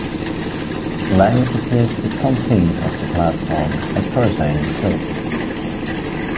Leng appears in some scenes on the platform and further in the clip.